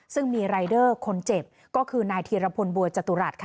ซึ่งมีรายเดอร์คนเจ็บก็คือนายธีรพลบัวจตุรัสค่ะ